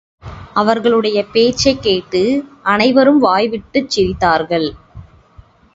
அவர்களுடைய பேச்சைக் கேட்டு அனைவரும் வாய்விட்டுச் சிரித்தார்கள்.